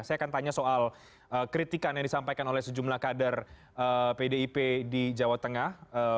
saya akan tanya soal kritikan yang disampaikan oleh sejumlah kader pdip di jawa tengah